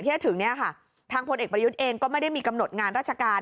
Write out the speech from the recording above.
ที่จะถึงเนี่ยค่ะทางพลเอกประยุทธ์เองก็ไม่ได้มีกำหนดงานราชการ